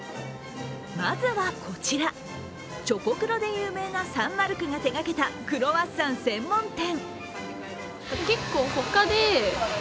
まずはこちら、チョコクロで有名なサンマルクが手がけたクロワッサン専門店。